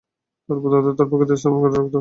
তারপর তাতে তার প্রতিকৃতি স্থাপন করে রাখত।